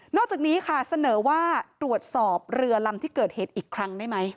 อกจากนี้ค่ะเสนอว่าตรวจสอบเรือลำที่เกิดเหตุอีกครั้งได้ไหม